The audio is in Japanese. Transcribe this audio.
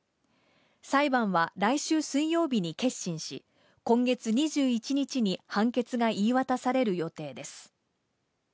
裁判は来週水曜日に結審し、今月２１日に判決が言い渡される予定です。